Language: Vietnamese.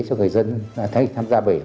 cho người dân thay tham gia bảo hiểm y tế